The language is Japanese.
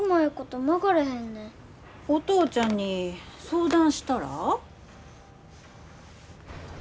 お父ちゃんに相談したら？